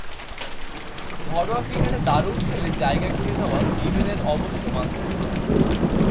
ঘরোয়া ক্রিকেটে দারুণ খেলে জায়গা করে নেওয়া স্টিভেনের অবশ্য মাত্র শুরু।